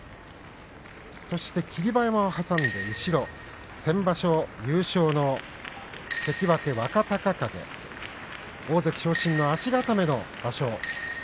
そして霧馬山を挟んで後ろ先場所優勝の関脇若隆景大関昇進の足固めの場所。